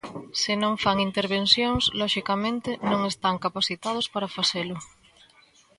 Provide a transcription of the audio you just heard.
Se non fan intervencións, loxicamente, non están capacitados para facelo.